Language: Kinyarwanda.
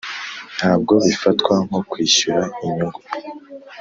ntabwo bifatwa nko kwishyura inyungu